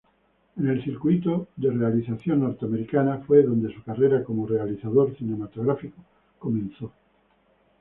En el circuito de realización norteamericana, fue donde su carrera como realizador cinematográfico comenzó.